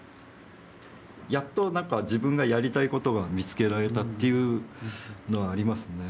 やっと何か自分がやりたいことが見つけられたっていうのはありますね。